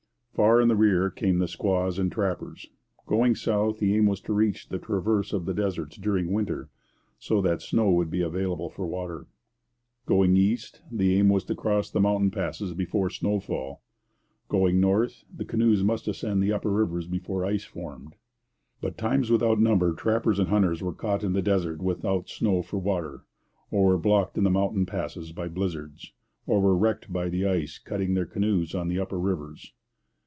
Far in the rear came the squaws and trappers. Going south, the aim was to reach the traverse of the deserts during winter, so that snow would be available for water. Going east, the aim was to cross the mountain passes before snow fall. Going north, the canoes must ascend the upper rivers before ice formed. But times without number trappers and hunters were caught in the desert without snow for water; or were blocked in the mountain passes by blizzards; or were wrecked by the ice cutting their canoes on the upper rivers.